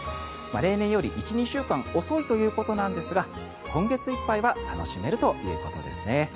例年より１２週間遅いということなんですが今月いっぱいは楽しめるということですね。